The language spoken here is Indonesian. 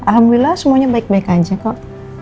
alhamdulillah semuanya baik baik aja kok